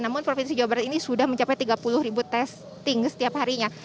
namun provinsi jawa barat ini sudah mencapai tiga puluh ribu testing setiap harinya